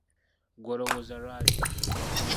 Ggwe olowooza lwaki?